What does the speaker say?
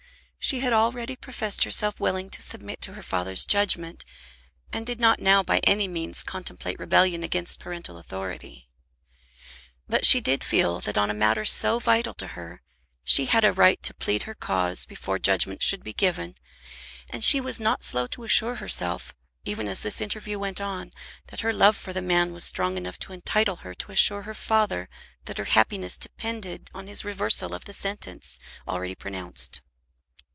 She had already professed herself willing to submit to her father's judgment, and did not now by any means contemplate rebellion against parental authority. But she did feel that on a matter so vital to her she had a right to plead her cause before judgment should be given, and she was not slow to assure herself, even as this interview went on, that her love for the man was strong enough to entitle her to assure her father that her happiness depended on his reversal of the sentence already pronounced.